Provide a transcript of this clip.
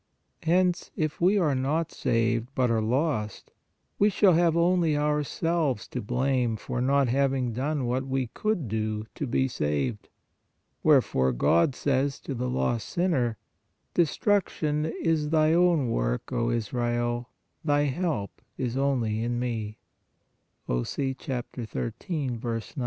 Hence if we are not saved, but are lost, we shall have only ourselves to blame for not having done what we could do to be saved. Wherefore, God says to th lost sinner: "Destruction is thy own (work), Israel; thy help is only in Me " (Osee 13. 9).